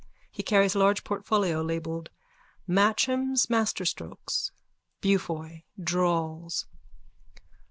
He carries a large portfolio labelled_ Matcham's Masterstrokes.) BEAUFOY: _(Drawls.)